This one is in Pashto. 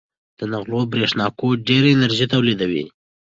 د نغلو برېښنا کوټ ډېره انرژي تولیدوي.